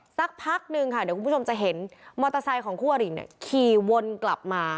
สักพักนึงค่ะเดี๋ยวคุณผู้ชมจะเห็นมอเตอร์ไซค์ของคู่อริเนี่ยขี่วนกลับมา